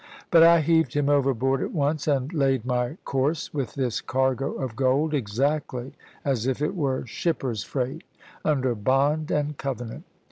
But I heaved him overboard at once, and laid my course with this cargo of gold, exactly as if it were shipper's freight, under bond and covenant.